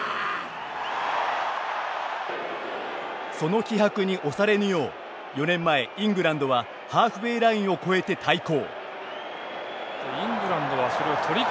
その気迫に押されぬよう４年前、イングランドはハーフウェーラインを超えて対抗。